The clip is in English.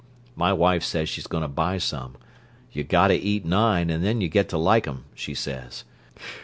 My wife says she's going to buy some; you got to eat nine and then you get to like 'em, she says.